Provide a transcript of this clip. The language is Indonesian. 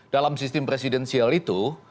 dalam sistem presidensial itu